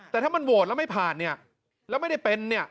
แต่ถ้ามันโหวตแล้วไม่ผ่านแล้วไม่ได้เป็น